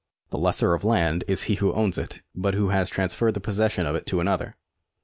The lessor of land is he who owns it, but who has transferred the possession of it to another.